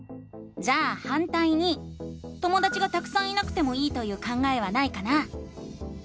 じゃあ「反対に」ともだちがたくさんいなくてもいいという考えはないかな？